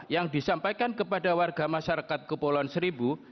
yang disampaikan kepada warga masyarakat kepulauan seribu